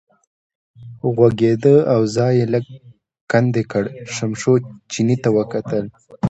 غوږېده او ځای یې لږ کندې کړ، شمشو چیني ته وکتل.